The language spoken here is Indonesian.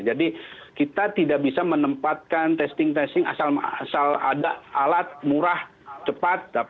jadi kita tidak bisa menempatkan testing testing asal ada alat murah cepat